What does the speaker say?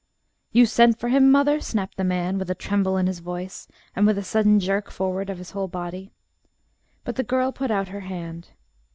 "You sent for him, mother?" snapped the man, with a tremble in his voice, and with a sudden jerk forward of his whole body. But the girl put out her hand.